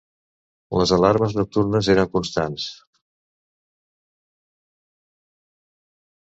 Les alarmes nocturnes eren constants